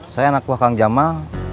saya anak buah kang jamal